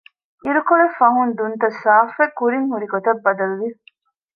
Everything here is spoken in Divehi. އިރުކޮޅެއްފަހުން ދުންތައް ސާފުވެ ކުރިން ހުރި ގޮތަށް ބަދަލުވި